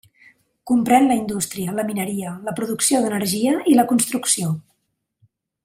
Comprèn la indústria, la mineria, la producció d'energia i la construcció.